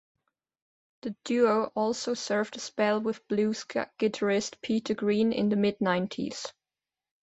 The duo also served a spell with blues guitarist Peter Green in the mid-nineties.